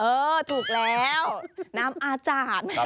เออถูกแล้วน้ำอาจารย์